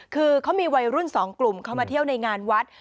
คือเขามีวัยรุ่น๒กลุ่มเข้ามาเที่ยวในงานวัด